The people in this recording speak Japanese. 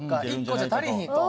１個じゃ足りひんと。